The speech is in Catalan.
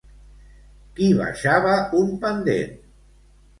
Qui baixava un pendent?